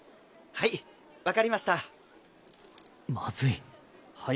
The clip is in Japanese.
はい分かりました。